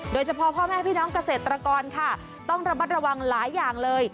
โดยเฉพาะพ่อแม่พี่น้องเกษตรกรค่ะต้องระมัดระวังหลายอย่างเลย